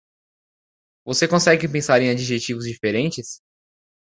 Você consegue pensar em adjetivos diferentes?